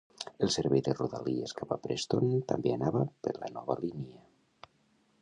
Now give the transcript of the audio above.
El servei de rodalies cap a Preston també anava per la nova línia.